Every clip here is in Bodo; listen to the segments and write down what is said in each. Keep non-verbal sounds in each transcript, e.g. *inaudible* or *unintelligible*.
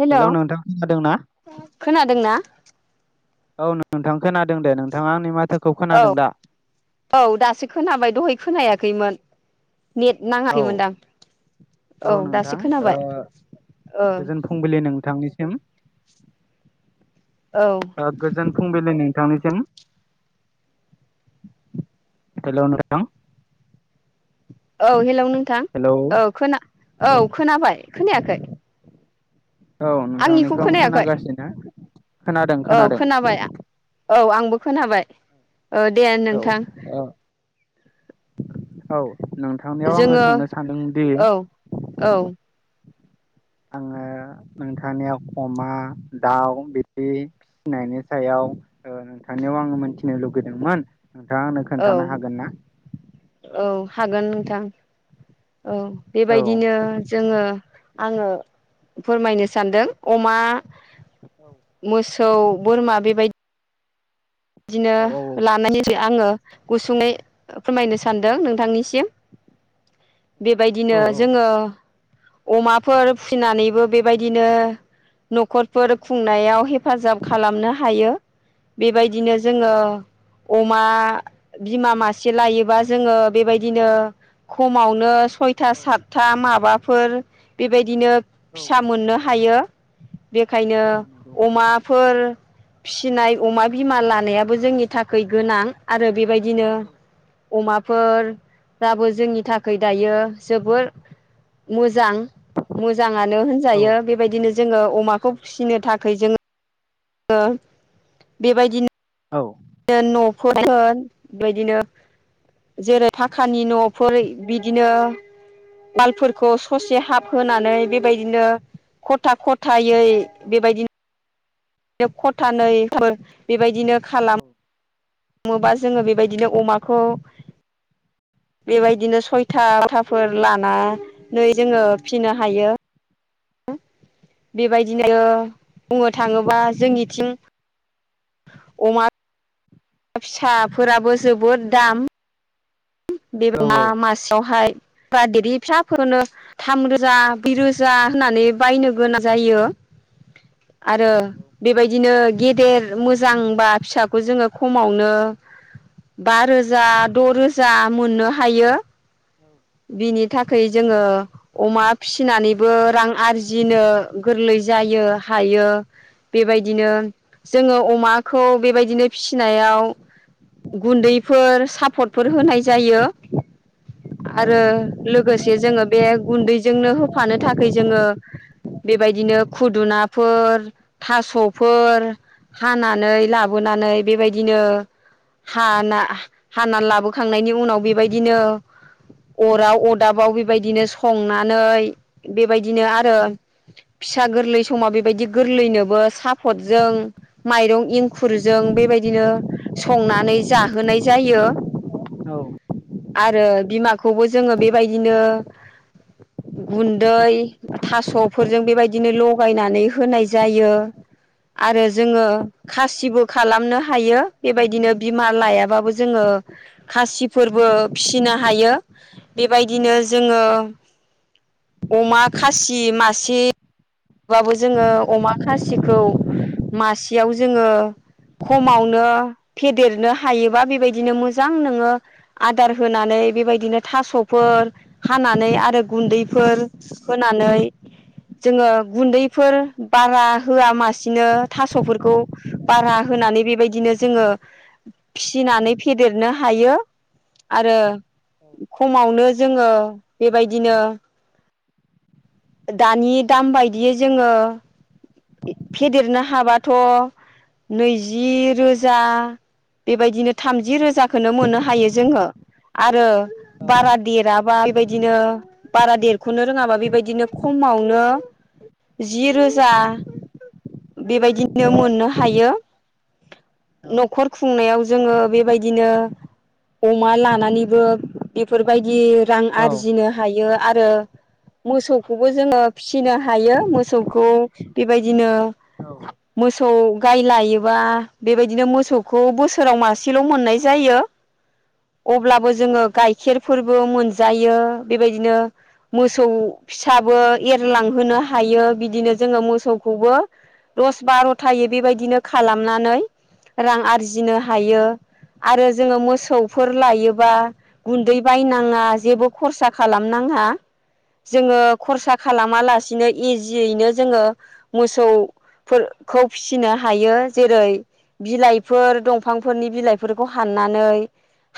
हेलौ हेल' नोंथां खोनादों ना? खोनादोंना औ नोंथां खोनादों दे। नोंथाङा आंनि मा औ औ दासो खोनाबाय दहाय खोनायाखैमोन। नेट औ नाङाखैमोन दां? औ नोंथां ओ ओ गोजोन फुंबिलि नोंथां निसि सिम औ - ओ गोजोन फुंबिलि नोंथांनि सिम हेल' नोंथां औ हेलौ नोंथां। हेलौ औ खोना औ खोनाबाय खोनायाखै? औ आंनिखौ नोंथांनिखौ आं खोनायाखै खोनागासिनो खोनादों औ खोनादों खोनाबाय औ आंबो खोनाबाय। औ दे औ नोंथां ओ औ नोंथांनियाव आङो जोङो सोंनो सानदोंदि औ औ आङो नोंथांनियाव अमा, दाउ बिदि फिनायनि सायाव ओ नोंथांनियाव आङो मोनथिनो लुुबैदोंमोन नोंथाङा आंनो औ खोन्थानो हागोन ना? औ हागोन नोंथां औ औ बेबायदिनो जोङो आङो फोरमायनो सानदों। अमा *inaudible* औ बोरमा बेबाय दिनो औ लानायनि सोमोन्दै आङो गुसुङै फोरमायनो सानदों नोंथांनि सि सिम बेबायदिनो जोङो अमाफोर फिनानैबो बेबायदिनो नख'रफोर खुंनायाव हेफाजाब खालामनो हायो। बेबाय दिनो औ जोङो अमा बिमा मासे लायोबा जोङो बेबायदिनो खमावनो सयथा औ सातथा माबाफोर बेबायदिनो औ फिसा मोननो हायो। बेखायनो औ नंगौ अमाफोर फिनाय अमा बिमा लानायाबो जोंनि थाखै गोनां आरो बेबायदिनो औ अमाफोराबो जोंनि थाखै दायो जोबोर मोजां। मोजाङानो औ होनजायो बेबायदिनो जोङो औ अमाखौ फिसिनो थाखै जों *unintelligible* बेबायदि औ नो न'खरफोर बेबायदिनो जेरै थाखानि न'फोर बिदिनो वालफोरखौ ससे हाफ होनानै बेबायदिनो खथा खथायै नंगौ औ बेबायदि खथानैफोर बेबायदिनो खालाम औ। हमोबा जोङो बेबायदिनो अमाखौ बेबायदिनो सयथा *inaudible* थाफोर लानानै जोङो फिनो हायो। बेबायदिनो बुंनो थाङोबा जोंनिथिं अमा फिसाफोराबो जोबोद दाम। बे अमा मासेयावहाय बा देरै फिसाफोरखौनो थाम रोजा, ब्रै रोजा होननानै बायनो गोनां जायो। आरो औ औ बेबायदिनो गेदेर मोजांबा फिसाखौ जोङो खमावनो बा रोजा द रोजा मोननो हायो। बिनि थाखै जोङो अमा फिसिनानैबो रां आरजिनो गोरलै जायो हायो। बेबायदिनो जोङो अमाखौ बेबायदिनो फिसिनायाव गुन्दैफोर साफदफोर होनाय जायो। आरो लोगोसे जोङो बे गुन्दैजोंनो होफानो थाखै जोङो बेबायदिनो खुदुनाफोर, थास'फोर हानानै लाबोनानै बेबायदिनो हाना हाना लाबोखांनायनि उनाव बेबायदिनो अराव अदाबाव बेबायदिनो संनानै बेबायदिनो आरो फिसा गोरलै समाव बेबायदि गोरलैनोबो साफदजों माइरं इंखुरजों बेबायदिनो संनानै जाहोनाय जायो। औ। आरो बिमाखौबो जोङो बेबायदिनो गुन्दै थास'फोरजों बेबायदिनो लगायनानै होनाय जायो। आरो जोङो खासिबो खालामनो हायो। बेबायदिनो बिमा लायाबाबो जोङो खासिफोरबो फिसिनो हायो। बेबायदिनो जोङो अमा खासि मासे बाबो जोङो अमा खासिखौ मासेयाव जोङो खमावनो फेदेरनो हायोबा बेबायदिनो मोजां नोङो आदार होनानै बेबायदिनो थास'फोर हानानै आरो गुन्दैफोर होनानै जोङो गुन्दैफोर बारा होआ मासेनो थास'फोरखौ बारा होनानै बेबायदिनो जोङो फिसिनानै फेदेरनो हायो आरो खमावनो जोङो बेबायदिनो दानि दाम बाय दि जोङो फेदेरनो हाबाथ' नैजि रोजा बेबायदिनो थामजि रोजा खोनो मोननो हायो जोङो आरो बारा देराबा बायदिनो बारा देरख'नो रोङाबा बेबायदिनो खमावनो जि रोजा बेबायदिनो मोननो हायो न'खर खुंनायाव जोङो बेबायदिनो अमा लानानैबो बेफोरबायदि रां आरजिनो हायो आरो मोसौखौबो जोङो फिसिनो हायो मोसौखौ बेबायदिनो औ औ गाय लायोबा बेबायदिनो मोसौखौ बोसोराव मासेल' मोननाय जायो अब्लाबो जोङो गाइखेरफोरबो मोनजायो बेबायदिनो मोसौ फिसाबो एरलांहोनो हायो बिदिनो जोङो मोसौखौबो दस बार'थायै बेबायदिनो खालामनानै रां आरजिनो हायो आरो जोङो मोसौफोर लायोबा गुन्दै बायनाङा जेबो खरसा खालामना ङा जोङो खरसा खालामालासि बिदिनो इजियैनो जोङो मोसौ फोरखौ फिसिनो हायो जेरै बिलाइफोर दंफांफोरनि बिलाइ फोरखौ हाननानै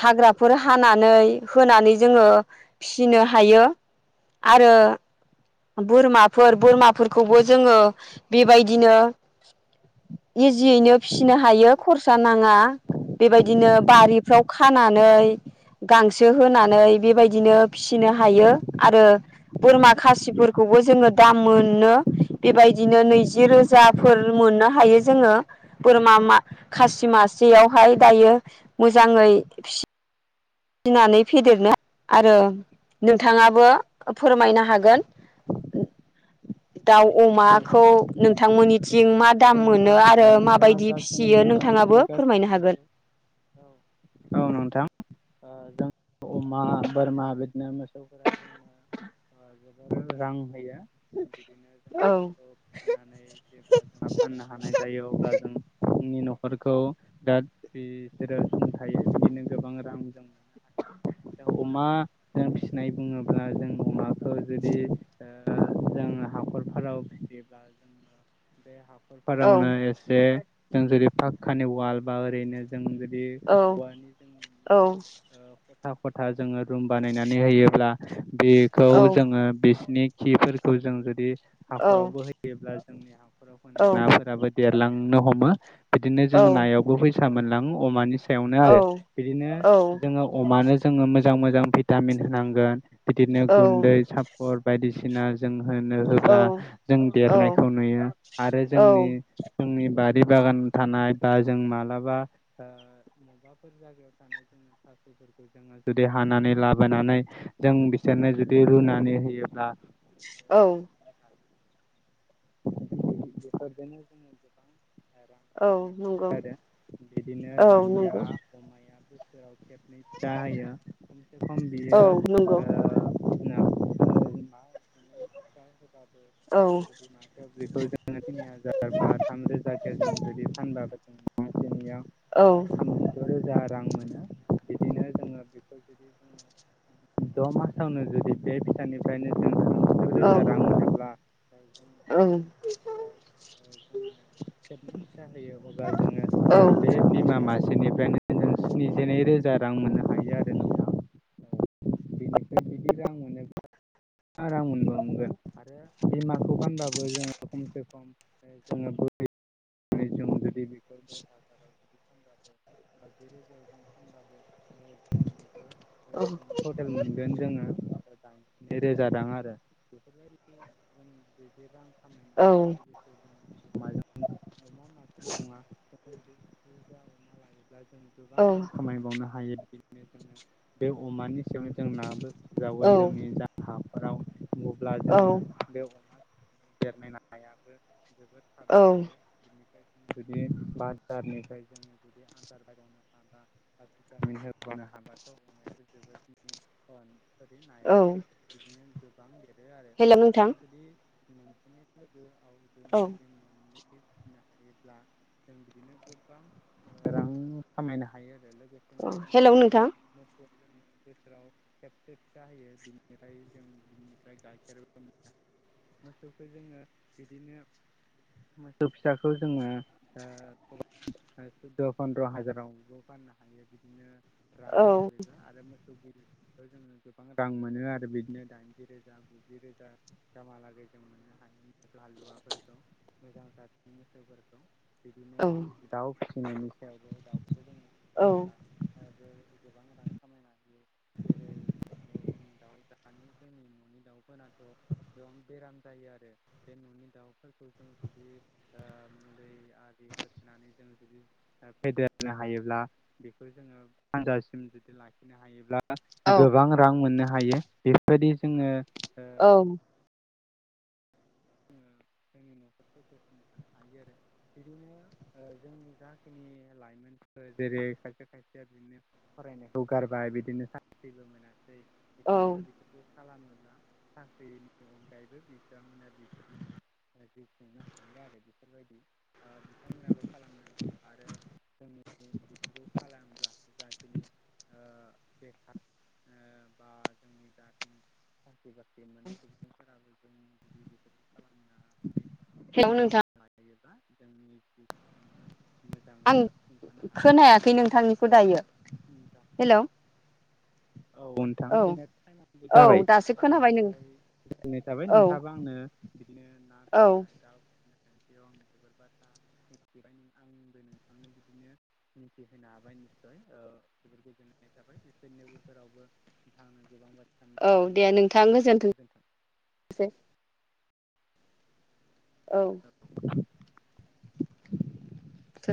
हाग्राफोर हानानै होनानै जोङो फिसिनो हायो आरो बोरमा फोर बोरमाफोरखौबो जोङो बेबायदिनो इजियैनो फिसिनो हायो खरसा नाङा बेबायदिनो बारिफ्राव खानानै गांसो होनानै बेबायदिनो फिसि नो हायो आरो बोरमा खासिफोरखौबो जोङो दाम मोनो बेबायदिनो नैजि रोजाफोर मोननो हायो जोङो बोरमा मा खासि मासेयावहाय दायो मोजाङै फि सिनानै फेदेरनो आरो नोंथाङाबो फोरमायनो हागोन *unintelligible* दाउ अमाखौ नोंथांमोननिथिं मा दाम मोनो आरो नोंथां नोंथाङा माबायदि जाखिनि फिसियो बुंदों नोंथाङा बेफोरो बो गासिबो फोरमायनो नंगौ हागोन औ औ नोंथां ओ जों अमा बोरमा बिदिनो मोसौफोरा जोंनो ओ जोबोर रां होयो बिदिनो जों औ बेफोरखौ फिसिनानै जेब्ला जोंहा फाननो हानाय जायो अब्ला जों जोंनि न'खरखौ दा बिसोरो सुंथायो बिदिनो गोबां रां दाम मोननो थाखाय अमा जों फिसिनाय बुङोब्ला जों अमाखौ जुदि ओ ओ जों हाखरफोराव फिसियोब्ला जोङो बे हा खर औ फोरावनो एसे जों जुदि पाकखानि वाल बा ओरैनो जों बे उवानि औ जोङो ओ खथा खथा जोङो रुम बानायनानै होयोब्ला बेखौ औ जोङो बिसिनि खिफोरखौ जों जुदि औ हाखरावबो होयोब्ला फोराव औ माने नाफोराबो देरलांनो हमो बिदिनो जों नायावबो फैसा मोनलाङो अमानि फिसायावनो आरो बिदिनो जोङो अमानो जोङो मोजां मोजां भिटामिन होनांगोन बिदिनो गुन्दै सापर बायदिसिना जों होनो होब्ला जों देरनायखौ नुयो आरो औ जोंनि जोंनि बारि बागान थानाय बा जों मालाबा ओ बबेबाफोर जायगायाव थानाय जोङो फोरखौ जोङो जुदि हानानै लाबोनानै जों बिसोरनो जुदि रुनानै होयोब्ला औ *unintelligible* औ खामायनो नंगौ हायो आरो बिदिनो औ दानिया नंगौ अमाया खेबनै फिसा होयो खमसे औ नंगौ खम बियो ओ औ *inaudible* बेखौ जोङो थिनि हाजार बा थाम रोजाखै जों जुदि फानबाबो जोंनियाव औ ओ थामजिद' रोजा रां मोनो बिदिनो जोङो बेखौ जुदि बुङो द' मासावनो जुदि बे फिसानिफ्रायनो जोङो औ *inaudible* *unintelligible* *unintelligible* खेबनै फिसा होयो अब्ला जोङो बे बिमा मासेनि ओनो नों स्निजिनै रोजा रां मोननो हायो आरो नोंथां बेनिफ्राय बिदि रां मोनोब्ला रां मोननो मोनगोन आरो बिमाखौ फानबाबो जोङो खमसे खम *unintelligible* *inaudible* *inaudible* टटेल मोनगोन जोङो दाइनजिनै रोजा रां आरो बेफोरबायदि जों बै *inaudible* अमा माथामल' नङा अमा लायो जों गोबां रां खामायबावनो हायो बिदिनो जोङो बे अमानि औ *inaudible* *unintelligible* *inaudible* जुदि बाजारनिफ्राय जोङो जुदि आदार बायनो हाब्ला भिटामिन होब्ला नो हाबाथ' अमायाबो जोबोद औ नायाबो बिदिनो गोबां देरो आरो हेल' नोंथां जों जुदि *inaudible* फिनो औ हायोब्ला जों बिदिनो गोबां रां खामायनो हायो आरो औ *unintelligible* हेल' जों नोंथां बोसोराव खेबसे फिसा होयो बिनिफ्राय जों बिनिफ्राय गाइखेरबो मोन मोसौखौ जोङो बिदिनो मोसौ फिसाखौ जोङो ओ गोबां सुद' फन्द्र हाजारावबो फाननो हायो बिदिनो *inaudible* औ बेखौ जोङो गोबां रां मोनो आरो बिदिनो दाइनजि रोजा गुजि रोजा गामहालागै जों मोननो हायो हालुवाफोरखौ मोजां जादनि मोसौफोरखौ बिदिनो औ दाउ फिसिनायनि सायावबो दाउखौ जोङो औ फिसियोब्ला गोबां रां खामायना होयो जेरै जोंनि दाउ दानि जोंनि न'नि दाउफोराथ' एसिबां बेराम जायो आरो बे न'नि दाउफोरखौ जों जुदि ओ मुलि आलि होथ'नानै जों फेदेरनो हायोब्ला बेखौ जोङो फानजासिम जुदि लाखिनो हायोब्ला गोबां रां मोननो हायो बेफोरबायदि जोङो औ *inaudible* जोंनि न'खरखौ सुंथाना थानो हायो आरो बिदिनो ओ दा जोंनि जाखिनि लाइमोन जेरै खायसे खायसेया बिदिनो फरायनायखौ गारबाय बिदिनो साख्रिबो मोना बिथांमोना बेफोरखौ खालामोब्ला साख्रिनि अनगायैबो बिथांमोना *unintelligible* जिउ खुंनो हायो आरो बेफोरबायदि बिथांमोनाबो खालामनांगौ आरो जोंनि बेफोरखौ खालामाब्ला जाखिनि ओ बेखार ओ बा जोंनि दानि टपिक बेनोमोन आरो नोंथां दनानै साबो जों जुदि बेफोर खालामनानै हेलौ जों नोंथां लायो *unintelligible* आं मोजाङैनो सुंथानो हायो आरो खोनायाखै नोंथांनिखौ औ दायो मोजां हेलौ *unintelligible* औ नोंथाङा औ दि फैनांगौ औ जाबाय दासो खोनाबाय नों बेनिफ्राय गोजोननाय थाबाय औ नोंथाङाबा आंनो बिदिनो ना औ फिसिनाय दाउ फिसिनाय आं जोबोर बाथ्रा मिथिबाय आंबो नोंथांनो बिदिनो मिथिहोनो हाबाय ओ गोजोननाय थाबाय बेफोरनि गेजेरावबो आंनो गोबां बाथ औ दे नोंथां गोजोनथोंसै दे औ *unintelligible*